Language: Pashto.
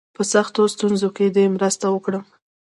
په سختو ستونزو کې دي مرسته وکړم.